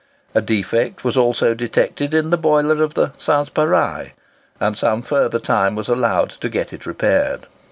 A defect was also detected in the boiler of the "Sanspareil;" and some further time was allowed to get it repaired.